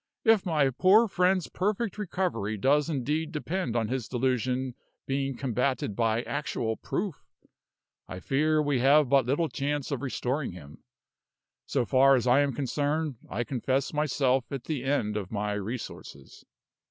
If my poor friend's perfect recovery does indeed depend on his delusion being combated by actual proof, I fear we have but little chance of restoring him. So far as I am concerned, I confess myself at the end of my resources."